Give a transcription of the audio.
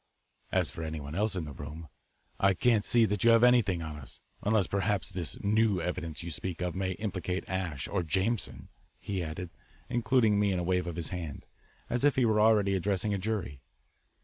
As for anyone else in the room, I can't see that you have anything on us unless perhaps this new evidence you speak of may implicate Asche, or Jameson," he added, including me in a wave of his hand, as if he were already addressing a jury.